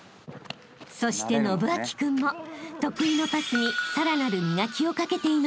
［そして伸光君も得意のパスにさらなる磨きをかけていました］